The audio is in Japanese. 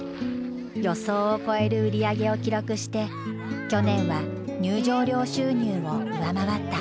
予想を超える売り上げを記録して去年は入場料収入を上回った。